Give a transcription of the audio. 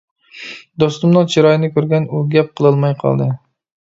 دوستۇمنىڭ چىرايىنى كۆرگەن ئۇ گەپ قىلالماي قالدى.